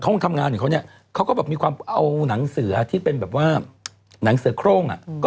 งานเขาเนี่ยเขาก็มีความเอานังสือที่เป็นแบบว่านังเสือโคร่งก็